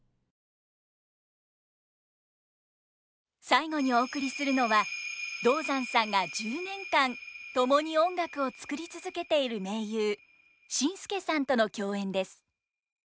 最後にお送りするのは道山さんが１０年間共に音楽を作り続けている盟友ＳＩＮＳＫＥさんとの共演です。